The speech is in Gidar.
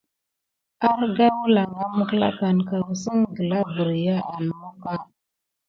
Arga wəlanga mekklakan ka kəssengen gla berya an moka.